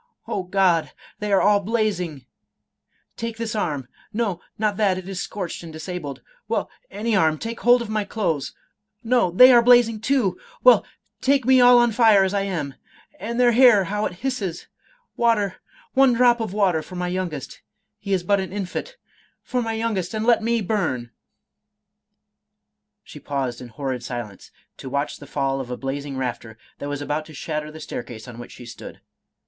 — Oh God ! They are all blazing !— ^Take this arm — ^no, not that, it is scorched and disabled — well, any arm — ^take hold of my clothes — ^no, they are blazing too !— ^Well, take me all on fire as I am !— And their hair, how it hisses !— Water, one drop of water for my youngest — he is but an infant — for my youngest, and let me bum !" She paused in horrid silence, to watch the fall of a blazing rafter that was about to shatter the staircase on which she stood.